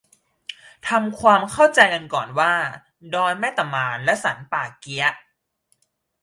ทำความเข้าใจกันก่อนว่า ดอยแม่ตะมาน และ สันป่าเกี๊ยะ